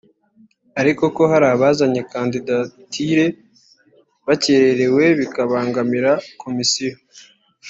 ariko ko hari abazanye kandidatire bakererewe bikabangamira Komisiyo